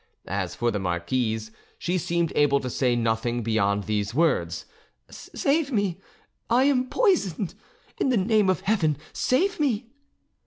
As for the marquise, she seemed able to say nothing beyond these words: "Save me! I am poisoned! In the name of Heaven, save me!"